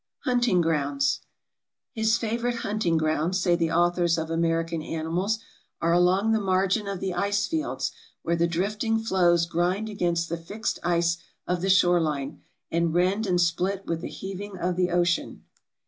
Hunting Grounds "His favorite hunting grounds," say the authors of "Ameri can Animals," "are along the margin of the ice fields, where the drifting floes grind against the fixed ice of the shore line, and rend and split with the heaving of the ocean.